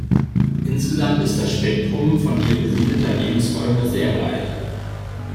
Insgesamt ist das Spektrum von ihr besiedelter Lebensräume sehr breit.